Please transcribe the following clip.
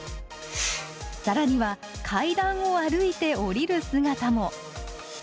更には階段を歩いて下りる姿も。